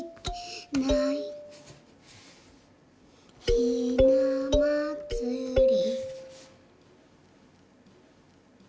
「ひなまつり」